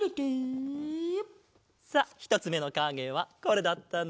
さあひとつめのかげはこれだったな。